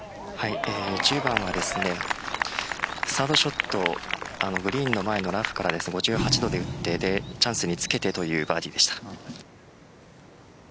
１０番はサードショットをグリーンの前のラフから５８度で打ってチャンスにつけてというバーディーでした。